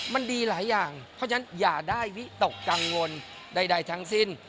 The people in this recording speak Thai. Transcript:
มันดีหลายอย่างเพราะฉะนั้นอย่าได้วิตกกังวลใดทั้งสิ้น